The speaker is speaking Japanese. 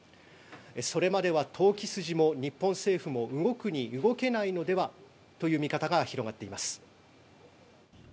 それまでは投機筋も日本政府も動くに動けないのではという見方が広がっています。